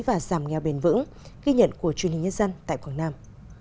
và giảm nghèo bền vững ghi nhận của chuyên hình nhân dân tây quảng nam